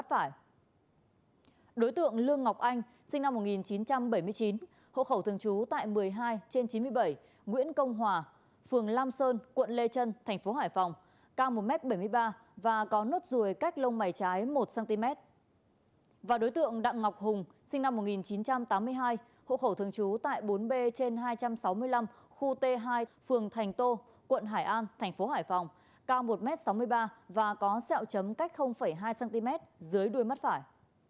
và đối tượng đặng ngọc hùng sinh năm một nghìn chín trăm tám mươi hai hộ khẩu thường trú tại bốn b trên hai trăm sáu mươi năm khu t hai phường thành tô quận hải an thành phố hải phòng cao một m sáu mươi ba và có sẹo chấm cách hai cm dưới đuôi mắt phải